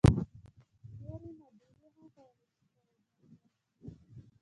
نورې معادلې هم کولای شئ توازن کړئ.